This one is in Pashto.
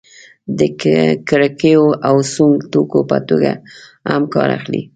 د کړکیو او سونګ توکو په توګه هم کار اخلي.